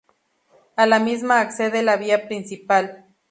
A la misma accede la vía principal.